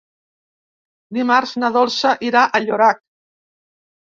Dimarts na Dolça irà a Llorac.